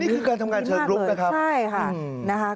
นี่คือการทำการเชิดลุกนะครับ